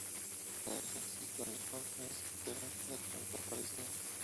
La región se sitúa en los márgenes externos de la cuenca parisina.